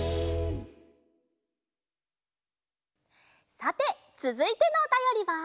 さてつづいてのおたよりは。